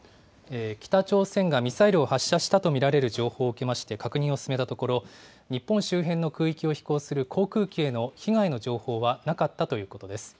北朝鮮がミサイルを発射したと見られる情報を受けまして確認を進めたところ、日本周辺の空域を飛行する航空機への被害の情報はなかったということです。